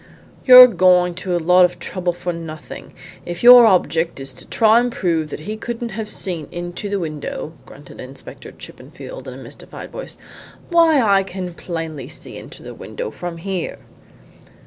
"You're going to a lot of trouble for nothing, if your object is to try and prove that he couldn't have seen into the window," grunted Inspector Chippenfield, in a mystified voice. "Why, I can see plainly into the window from here."